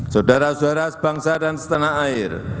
saudara saudara sebangsa dan setanah air